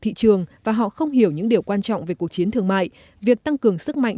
thị trường và họ không hiểu những điều quan trọng về cuộc chiến thương mại việc tăng cường sức mạnh